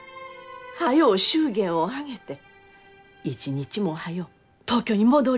早う祝言を挙げて一日も早う東京に戻りい。